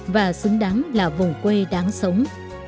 và xứng đáng là vùng quê đáng sống